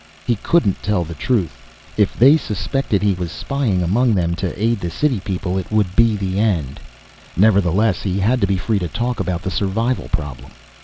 He couldn't tell the truth. If they once suspected he was spying among them to aid the city people, it would be the end. Nevertheless, he had to be free to talk about the survival problem.